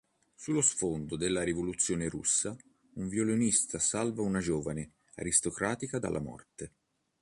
Sullo sfondo della rivoluzione russa, un violinista salva una giovane aristocratica dalla morte.